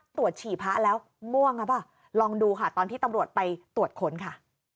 ตรวจฉี่พะแล้วม่วงครับว่าลองดูค่ะตอนที่ตำรวจไปตรวจคนค่ะ